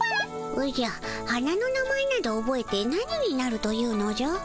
おじゃ花の名前などおぼえて何になるというのじゃ？